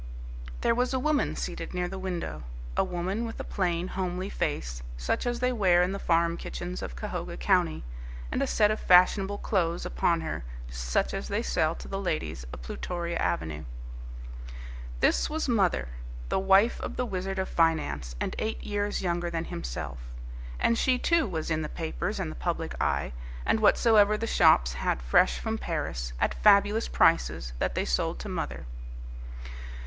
There was a woman seated near the window, a woman with a plain, homely face such as they wear in the farm kitchens of Cahoga County, and a set of fashionable clothes upon her such as they sell to the ladies of Plutoria Avenue. This was "mother," the wife of the Wizard of Finance and eight years younger than himself. And she, too, was in the papers and the public eye; and whatsoever the shops had fresh from Paris, at fabulous prices, that they sold to mother.